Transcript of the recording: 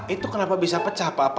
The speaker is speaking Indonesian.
itu kenapa bisa pecah pak apa